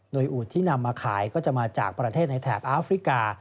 โดยอูดที่นำมาขายก็จะมาจากประเทศในแถบอาฟริกา